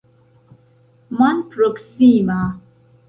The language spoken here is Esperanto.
malproksima